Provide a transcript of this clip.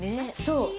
そう。